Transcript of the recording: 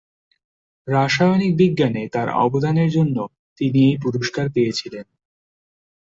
রাসায়নিক বিজ্ঞানে তাঁর অবদানের জন্য তিনি এই পুরস্কার পেয়েছিলেন।